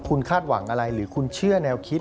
คุณคาดหวังอะไรหรือคุณเชื่อแนวคิด